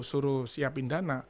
suruh siapin dana